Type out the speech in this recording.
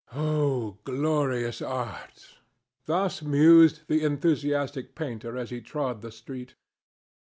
"O glorious Art!" Thus mused the enthusiastic painter as he trod the street.